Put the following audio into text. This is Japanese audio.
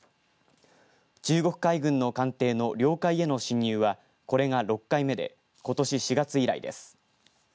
中国海軍の艦艇の領海への侵入はこれが６回目でことし４月以来です。